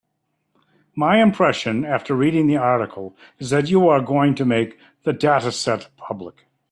My impression after reading the article is that you are going to make the dataset public.